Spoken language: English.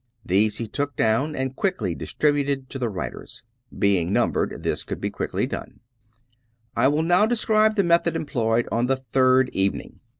These he took down and quickly distributed to the writers. Being numbered, this could be quickly done. •••.• I will now describe the method employed on the third evening.